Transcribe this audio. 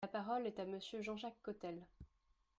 La parole est à Monsieur Jean-Jacques Cottel.